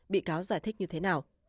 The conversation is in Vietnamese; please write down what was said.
bị cáo giải thích như thế nào